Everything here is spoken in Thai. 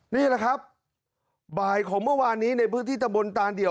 นี่แหละครับบ่ายของเมื่อวานนี้ในพื้นที่ตะบนตานเดี่ยว